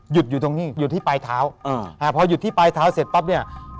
อยู่ตรงนี้หยุดที่ปลายเท้าอ่าพอหยุดที่ปลายเท้าเสร็จปั๊บเนี่ย